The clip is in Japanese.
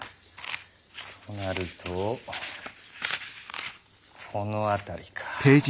となるとこの辺りか。